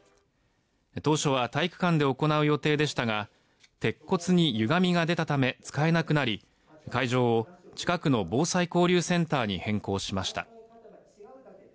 当初は体育館で行う予定でしたが鉄骨にゆがみが出たため使えなくなり会場を近くの防災交流センターに変更しました。